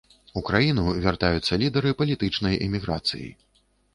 У краіну вяртаюцца лідары палітычнай эміграцыі.